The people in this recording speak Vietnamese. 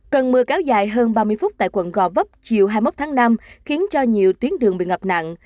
cơn mưa kéo dài hơn ba mươi phút tại quận gò vấp chiều hai mươi một tháng năm khiến cho nhiều tuyến đường bị ngập nặng